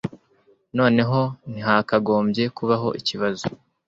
Noneho ntihakagombye kubaho ikibazo